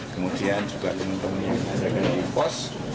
kemudian juga dengan teman teman yang di pos